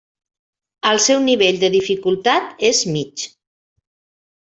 El seu nivell de dificultat és mig.